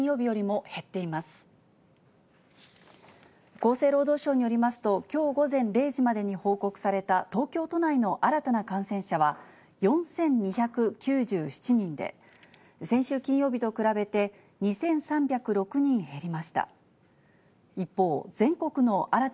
厚生労働省によりますと、きょう午前０時までに報告された、東京都内の新たな感染者は４２９７人で、先週金曜日と比べて、２３０６人減りました。